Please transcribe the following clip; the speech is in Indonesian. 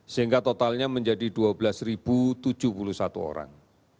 sehingga totalnya menjadi dua belas tujuh puluh satu orang